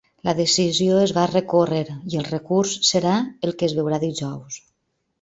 La decisió es va recórrer, i el recurs serà el que es veurà dijous.